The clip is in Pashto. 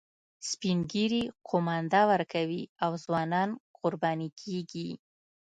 سپین ږیري قومانده ورکوي او ځوانان قرباني کیږي